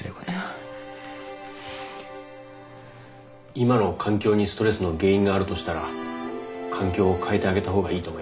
今の環境にストレスの原因があるとしたら環境を変えてあげた方がいいと思います。